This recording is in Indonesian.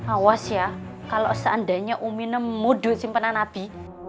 awas ya kalau seandainya umi nemu dua simpanan api